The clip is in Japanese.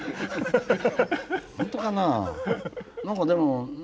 本当かな？